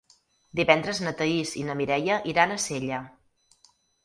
Divendres na Thaís i na Mireia iran a Sella.